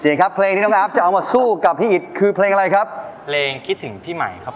ครับเพลงที่น้องอาฟจะเอามาสู้กับพี่อิตคือเพลงอะไรครับเพลงคิดถึงพี่ใหม่ครับ